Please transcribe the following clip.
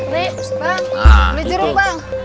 nih bang beli jeruk bang